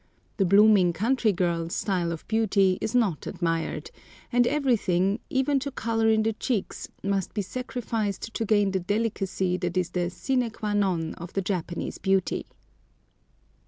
The blooming country girl style of beauty is not admired, and everything, even to color in the cheeks, must be sacrificed to gain the delicacy that is the sine qua non of the Japanese beauty.